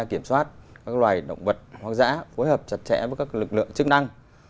kiểm soát các loài động vật hoang dã phối hợp chặt chẽ với các lực lượng chức năng